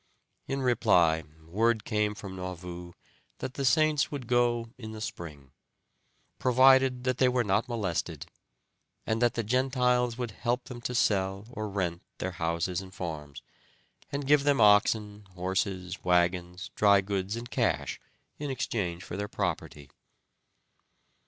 In reply word came from Nauvoo that the Saints would go in the spring, provided that they were not molested, and that the Gentiles would help them to sell or rent their houses and farms, and give them oxen, horses, wagons, dry goods, and cash in exchange for their property.